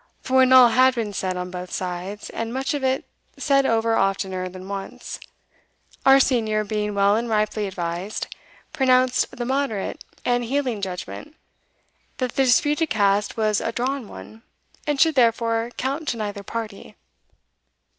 For when all had been said on both sides, and much of it said over oftener than once, our senior, being well and ripely advised, pronounced the moderate and healing judgment, that the disputed cast was a drawn one, and should therefore count to neither party.